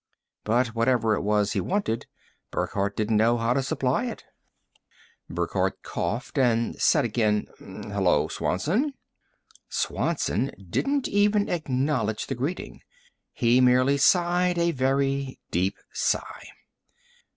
But whatever it was he wanted, Burckhardt didn't know how to supply it. Burckhardt coughed and said again, "Hello, Swanson." Swanson didn't even acknowledge the greeting. He merely sighed a very deep sigh.